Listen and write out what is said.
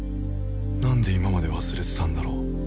何で今まで忘れてたんだろう？